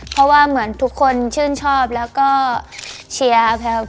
เพราะว่าเหมือนทุกคนชื่นชอบแล้วก็เชียร์ครับ